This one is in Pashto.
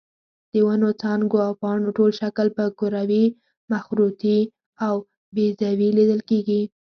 د ونو څانګو او پاڼو ټول شکل په کروي، مخروطي او بیضوي لیدل کېږي.